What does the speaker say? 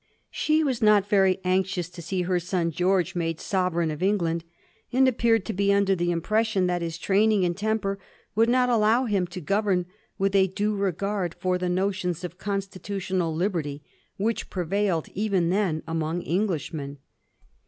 She was not very ^mxious to see her son George made sovereign of England, and appeared to be under the impression that his training and temper would not allow him to govern with a due regard for the notions of consti tutional liberty which prevailed even then among Englishmen.